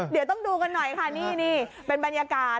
เดี๋ยวต้องดูกันหน่อยค่ะนี่เป็นบรรยากาศ